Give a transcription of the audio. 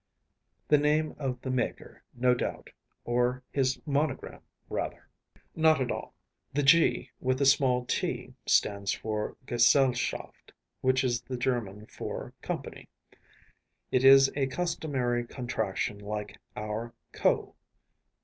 “The name of the maker, no doubt; or his monogram, rather.‚ÄĚ “Not at all. The ‚ÄėG‚Äô with the small ‚Äėt‚Äô stands for ‚ÄėGesellschaft,‚Äô which is the German for ‚ÄėCompany.‚Äô It is a customary contraction like our ‚ÄėCo.